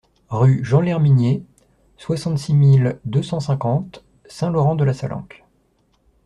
Rue Jean Lherminier, soixante-six mille deux cent cinquante Saint-Laurent-de-la-Salanque